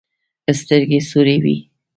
سترګې سورې وې.